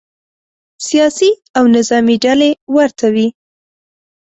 سیاسي او نظامې ډلې ورته وي.